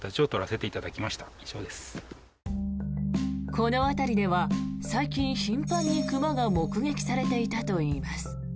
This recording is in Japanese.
この辺りでは最近、頻繁に熊が目撃されていたといいます。